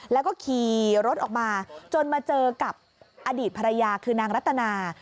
แล้วก็ขี่รถออกมาจนมาเจอกับอดีตภรรยาคือนางรัตนา